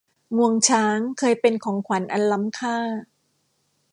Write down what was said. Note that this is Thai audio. งวงช้างเคยเป็นของขวัญอันล้ำค่า